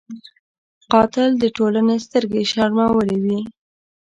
قاتل د ټولنې سترګې شرمولی وي